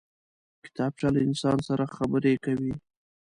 کتابچه له انسان سره خبرې کوي